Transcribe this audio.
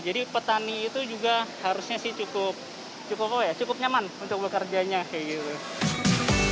jadi petani itu juga harusnya sih cukup nyaman untuk bekerjanya kayak gitu